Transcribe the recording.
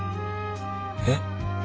えっ？